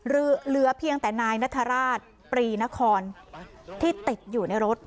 เหลือเพียงแต่นายนัฐราชปรีนครที่ติดอยู่ในรถ